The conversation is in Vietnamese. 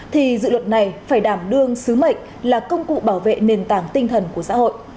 thì dự luật này phải đảm đương sứ mệnh là công cụ bảo vệ nền tảng tinh thần của xã hội